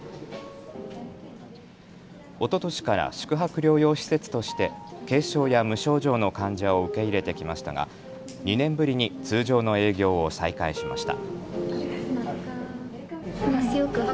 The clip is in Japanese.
おととしから宿泊療養施設として軽症や無症状の患者を受け入れてきましたが２年ぶりに通常の営業を再開しました。